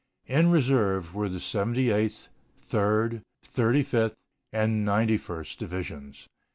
In reserve were the Seventy eighth, Third, Thirty fifth, and Ninety first Divisions.